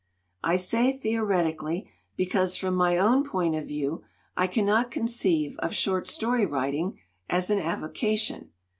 "I say theoretically because from my own point of view I cannot conceive of short story writing as an avocation.